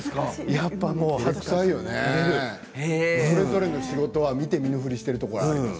お互いの仕事は見て見ぬふりをしているところがあります。